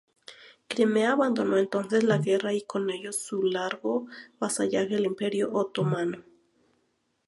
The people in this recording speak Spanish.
Crimea abandonó entonces la guerra y con ello, su largo vasallaje al Imperio otomano.